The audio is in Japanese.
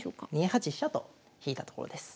２八飛車と引いたところです。